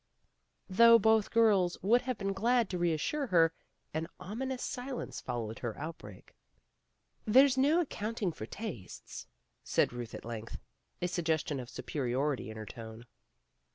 Though both girls would have been glad to reassure her, an ominous silence followed her outbreak. "There's no accounting for tastes," said Ruth at length, a suggestion of superiority in her tone.